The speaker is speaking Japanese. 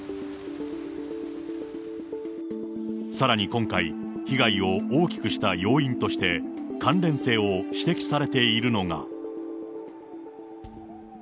さらに今回、被害を大きくした要因として、関連性を指摘されているのが。